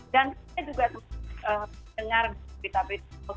dan saya juga dengar berita berita seperti itu